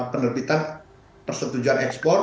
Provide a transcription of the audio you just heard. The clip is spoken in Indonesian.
penerbitan persetujuan ekspor